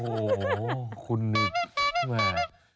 โอ้โฮคุณนี่แม่